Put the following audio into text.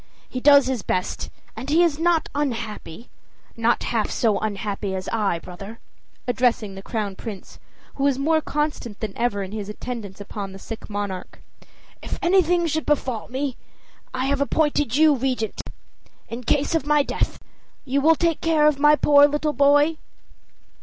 he does his best, and he is not unhappy not half so unhappy as I, brother," addressing the Crown Prince, who was more constant than ever in his attendance upon the sick monarch. "If anything should befall me, I have appointed you Regent. In case of my death, you will take care of my poor little boy?"